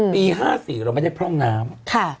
ปี๕๔เราไม่ได้พร่องน้ำ